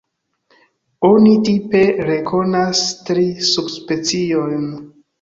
Oni tipe rekonas tri subspeciojn.